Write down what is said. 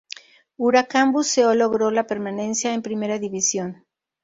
Huracán Buceo logró la permanencia en Primera División.